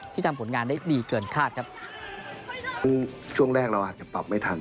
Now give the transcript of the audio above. ทำผลงานได้ดีเกินคาดครับช่วงแรกเราอาจจะปรับไม่ทัน